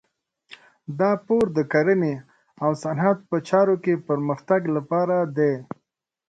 دا پور د کرنې او صنعت په چارو کې پرمختګ لپاره دی.